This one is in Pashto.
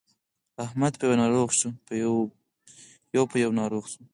احمد يو په يو ناروغ شو.